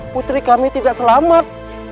putri kami tidak selamat